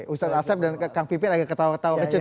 ustadz asyaf dan kak pipir agak ketawa ketawa kecut